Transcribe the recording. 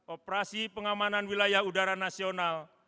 operasi pengamanan wilayah udara nasional